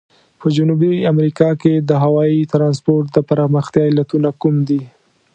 په جنوبي امریکا کې د هوایي ترانسپورت د پرمختیا علتونه کوم دي؟